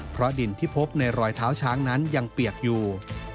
เพราะดินที่พบในรอยเท้าช้างนั้นยังเปียกอยู่